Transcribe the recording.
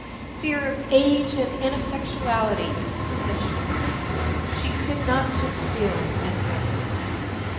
Fear of age and ineffectuality took possession of her. She could not sit still, and arose.